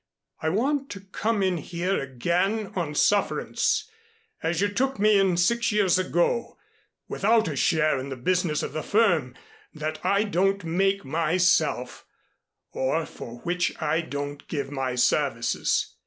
I want to come in here again on sufferance, as you took me in six years ago, without a share in the business of the firm that I don't make myself or for which I don't give my services.